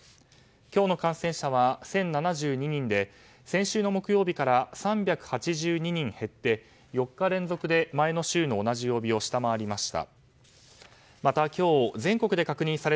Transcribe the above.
今日の感染者は１０７２人で先週の木曜日から３８２人減って４日連続で前の週の同じ曜日を下回りました。